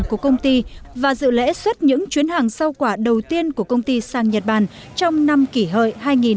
thủ tướng đã đến thăm hỏi công ty và dự lễ suất những chuyến hàng sau quả đầu tiên của công ty sang nhật bản trong năm kỷ hợi hai nghìn một mươi chín